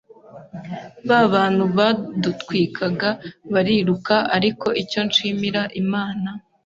ba bantu badutwikaga bariruka ariko icyo nshimira Imana